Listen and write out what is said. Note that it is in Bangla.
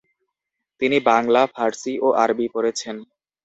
তিনি বাংলা, ফারসি ও আরবি পড়েছেন।